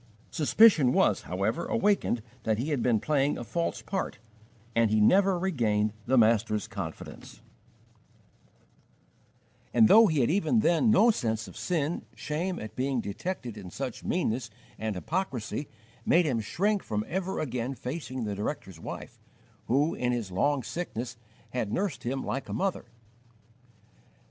Suspicion was, however, awakened that he had been playing a false part, and he never regained the master's confidence; and though he had even then no sense of sin, shame at being detected in such meanness and hypocrisy made him shrink from ever again facing the director's wife, who, in his long sickness, had nursed him like a mother.